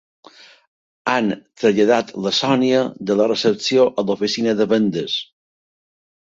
Han traslladat la Sònia de la recepció a l'oficina de vendes.